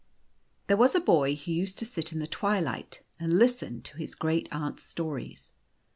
HERE was a boy who used to sit in the twilight and listen to his great aunt's stories.